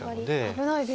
危ないですね。